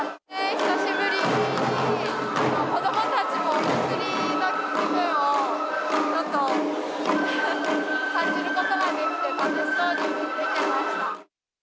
久しぶりに子どもたちもお祭りの気分をちょっと感じることができて、楽しそうに見てました。